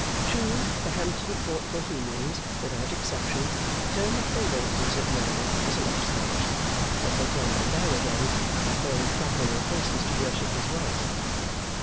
True, the Hampton Court Bohemians, without exception, turned up their noses at Merdle as an upstart; but they turned them down again, by falling flat on their faces to worship his wealth.